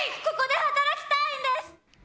ここで働きたいんです！